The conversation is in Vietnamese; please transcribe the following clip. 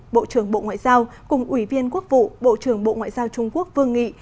bộ trưởng bộ ngoại giao cùng ủy viên quốc vụ bộ trưởng bộ ngoại giao trung quốc vương nghị